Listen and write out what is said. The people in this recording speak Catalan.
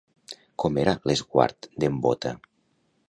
Com era l'esguard d'en Bóta?